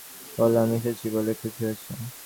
বলো, আমি এসেছি বলে খুশি হয়েছ!